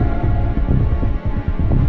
tidak kita harus ke dapur